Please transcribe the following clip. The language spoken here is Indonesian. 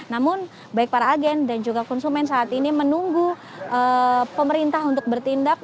namun baik para agen dan juga konsumen saat ini menunggu pemerintah untuk bertindak